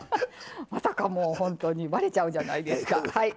まさかもうほんとにばれちゃうじゃないですか。